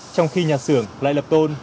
trong khi nhà xưởng lại lập tôn